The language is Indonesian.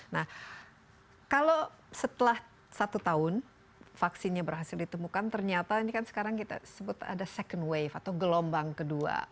nah kalau setelah satu tahun vaksinnya berhasil ditemukan ternyata ini kan sekarang kita sebut ada second wave atau gelombang kedua